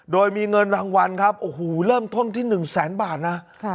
โดยมีเงินรางวัลครับโอ้โหเริ่มต้นที่๑แสนบาทนะ